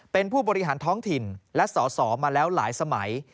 เป็นผู้บริหารท้องถิ่นและสอสอมาแล้วหลายสมัย